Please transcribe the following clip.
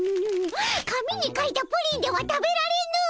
紙に書いたプリンでは食べられぬ！